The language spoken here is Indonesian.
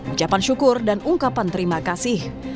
ucapan syukur dan ungkapan terima kasih